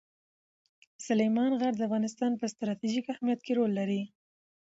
سلیمان غر د افغانستان په ستراتیژیک اهمیت کې رول لري.